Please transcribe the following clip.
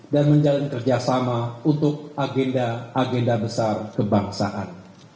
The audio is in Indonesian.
dan menjalin kerjasama untuk agenda agenda besar kebangsaan